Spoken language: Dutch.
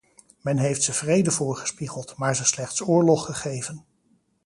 Men heeft ze vrede voorgespiegeld, maar ze slechts oorlog gegeven.